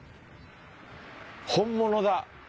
本物だ。